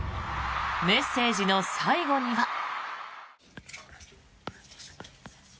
メッセージの最後には。